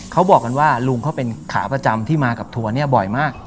เขาบอกกันว่าลุงเขาเป็นขาประจำที่มากับทัวร์เนี่ยบ่อยมาก